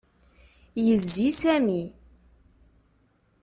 Yezzi Sami.